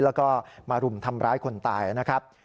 แล้วก็มารุมทำร้ายคนตายนะครับ